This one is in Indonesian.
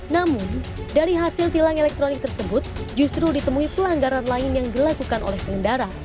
namun dari hasil tilang elektronik tersebut justru ditemui pelanggaran lain yang dilakukan oleh pengendara